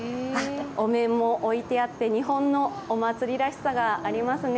お面も置いてあって日本のお祭りらしさがありますね。